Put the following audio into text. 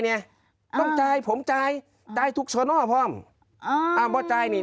เนี้ยต้องจ่ายผมจ่ายได้ทุกส่วนอ้อพร้อมอ้าวบอกจ่ายนี่